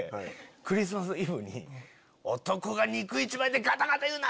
クリスマスイブに「男が肉１枚でがたがた言うな」